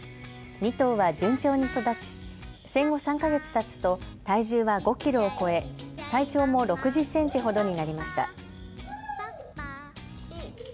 ２頭は順調に育ち、生後３か月たつと体重は５キロを超え体長も６０センチほどになりました。